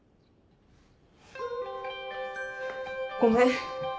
ごめん。